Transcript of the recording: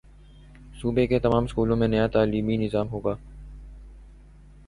صوبے کے تمام سکولوں میں نیا تعلیمی نظام ہوگا